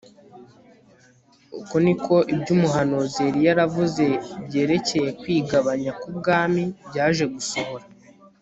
uko ni ko ibyo umuhanuzi yari yaravuze byerekeye kwigabanya k'ubwami byaje gusohora